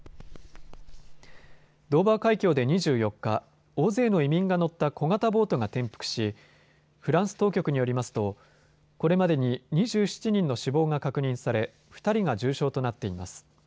ドーバー海峡で２４日、大勢の移民が乗った小型ボートが転覆しフランス当局によりますとこれまでに２７人の死亡が確認され２人が重傷となっています。